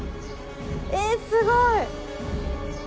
えっすごい。